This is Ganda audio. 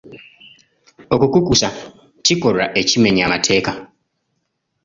Okukukusa kikolwa ekimenya mateeka.